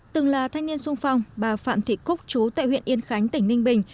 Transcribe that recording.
từng là thanh niên sung phong bà phạm thị cúc chú tại huyện yên khánh tỉnh ninh bình